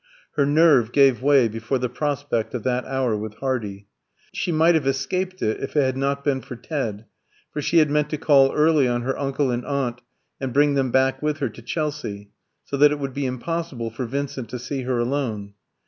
Her nerve gave way before the prospect of that hour with Hardy. She might have escaped it if it had not been for Ted, for she had meant to call early on her uncle and aunt, and bring them back with her to Chelsea, so that it would be impossible for Vincent to see her alone.